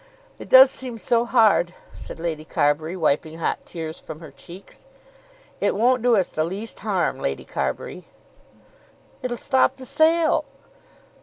It does seem so hard," said Lady Carbury, wiping hot tears from her cheeks. "It won't do us the least harm, Lady Carbury." "It'll stop the sale?"